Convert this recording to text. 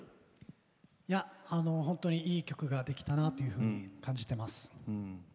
本当にいい曲ができたなというふうに感じています。